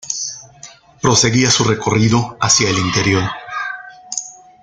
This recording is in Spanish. Proseguía su recorrido hacia el interior.